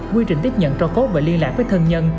quy trình tiếp nhận cho cốt và liên lạc với thân nhân